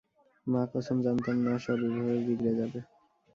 মা কসম, জানতাম না সব এভাবে বিগড়ে যাবে।